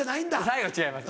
最後違います